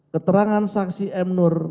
keterangan saksi mnur